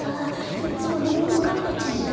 いつものももかっぱちゃんだ。